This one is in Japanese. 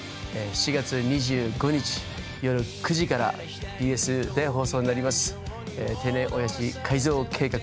７月２５日、夜９時からＢＳで放送になります「定年オヤジ改造計画」